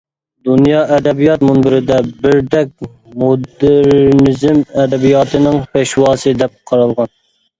دۇنيا ئەدەبىيات مۇنبىرىدە بىردەك «مودېرنىزم ئەدەبىياتىنىڭ پېشۋاسى» دەپ قارالغان.